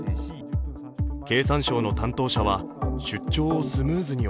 経産省の担当者は、出張をスムーズに